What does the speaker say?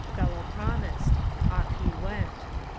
Fellow promised. Off he went."